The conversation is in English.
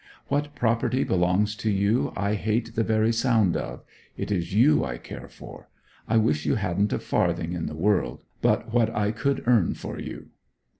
What property belongs to you I hate the very sound of; it is you I care for. I wish you hadn't a farthing in the world but what I could earn for you!'